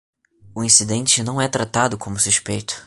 O incidente não é tratado como suspeito.